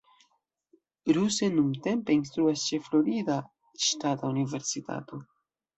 Ruse nuntempe instruas ĉe Florida Ŝtata Universitato.